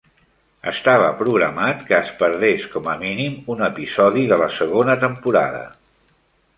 Estava programat que es perdés com a mínim un episodi de la segona temporada.